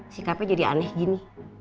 sikapnya jadi aneh gini